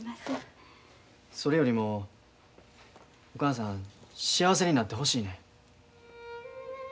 それよりもお母さん幸せになってほしいねん。